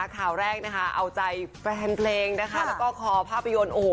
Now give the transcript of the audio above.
ข่าวแรกนะคะเอาใจแฟนเพลงนะคะคเล่ะและแบบภาพีโยนโอโห